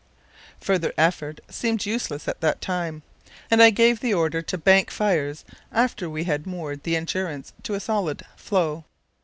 Further effort seemed useless at that time, and I gave the order to bank fires after we had moored the Endurance to a solid floe.